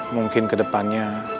mungkin ke depannya